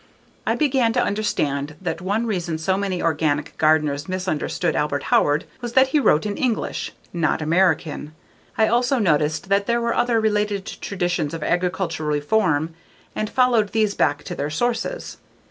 l began to understand that one reason so many organic gardeners misunderstood Albert Howard was that he wrote in English, not American. l also noticed that there were other related traditions of agricultural reform and followed these back to their sources.